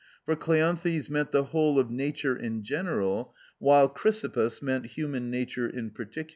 For Kleanthes meant the whole of nature in general, while Chrysippus meant human nature in particular (Diog.